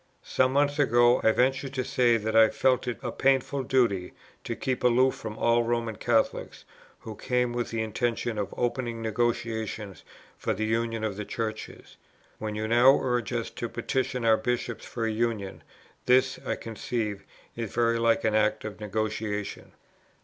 Some months ago, I ventured to say that I felt it a painful duty to keep aloof from all Roman Catholics who came with the intention of opening negotiations for the union of the Churches: when you now urge us to petition our Bishops for a union, this, I conceive, is very like an act of negotiation."